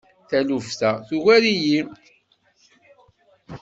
Taluft-a tugar-iyi.